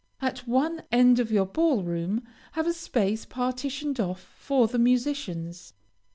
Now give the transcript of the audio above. At one end of your ball room, have a space partitioned off for the musicians.